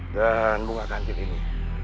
dan bunga gantil ini